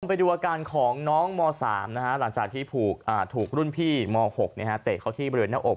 ไปดูอาการของน้องม๓หลังจากที่ถูกรุ่นพี่ม๖เตะเขาที่บริเวณหน้าอก